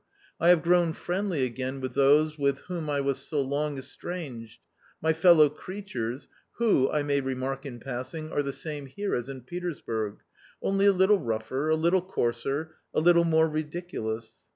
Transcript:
I have grown friendly again with those with whom I was so long estranged — my fellow creatures, who, I may remark in passing, are the same here as in Petersburg, only a little rougher, a little coarser, a little more ridiculous.